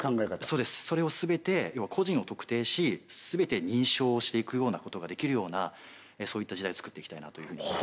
そうですそれをすべて要は個人を特定しすべて認証していくようなことができるようなそういった時代をつくっていきたいなと思います